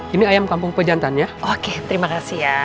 ini ayam kampung pejantan ya oke terima kasih ya